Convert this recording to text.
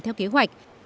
theo kế hoạch của hà nội